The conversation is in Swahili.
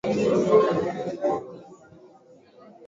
visa vingi vya homa ya Rift Valley